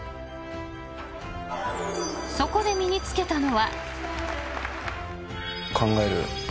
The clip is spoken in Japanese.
［そこで身に付けたのは］